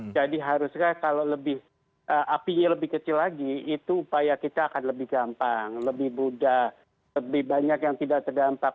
jadi harusnya kalau apinya lebih kecil lagi itu upaya kita akan lebih gampang lebih mudah lebih banyak yang tidak terdampak